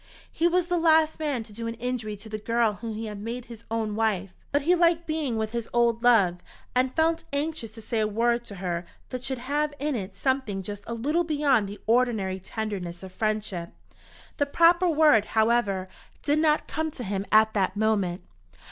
He was the last man to do an injury to the girl whom he had made his own wife! But he liked being with his old love, and felt anxious to say a word to her that should have in it something just a little beyond the ordinary tenderness of friendship. The proper word, however, did not come to him at that moment.